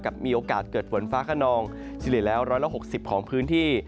มีโอกาสเกิดฝนฟ้าขนองเฉลี่ยแล้ว๑๖๐ของพื้นที่